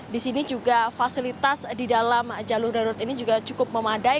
di sini juga fasilitas di dalam jalur darurat ini juga cukup memadai